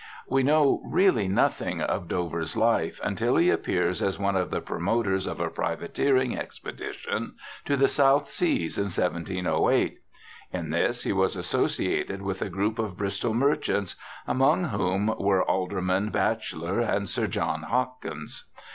We know really nothing of Dover's life until he appears as one of the promoters of a privateering expedition to the South Seas in 1708. In this he was associated with a group of Bristol merchants, among THOMAS DOVER 21 whom were Alderman Bachelor and Sir John Hawkins.